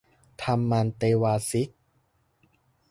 ธรรมันเตวาสิก